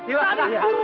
semua baik baik saja